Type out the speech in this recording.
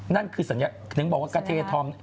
นั่นคือสัญลักษณ์ถึงบอกว่ากระเททอม